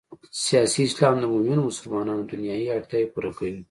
سیاسي اسلام د مومنو مسلمانانو دنیايي اړتیاوې پوره کوي.